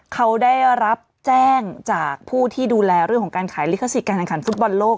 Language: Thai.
เขาได้รับแจ้งจากผู้ที่ดูแลเรื่องของการขายลิขสิทธิการแข่งขันฟุตบอลโลก